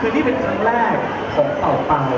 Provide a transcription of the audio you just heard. นี้คือครั้งแรกของเกรียมของมัน